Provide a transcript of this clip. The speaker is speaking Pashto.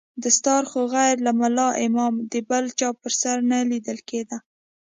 دستار خو غير له ملا امامه د بل چا پر سر نه ليدل کېده.